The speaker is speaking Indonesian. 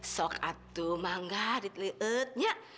sok atuh mangga ditliutnya